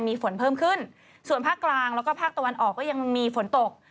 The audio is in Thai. มีฝนเพิ่มขึ้นส่วนภาคกลางแล้วก็ภาคตะวันออกก็ยังมีฝนตก